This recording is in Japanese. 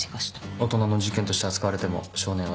大人の事件として扱われても少年は少年ですね。